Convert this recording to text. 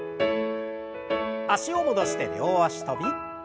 脚を戻して両脚跳び。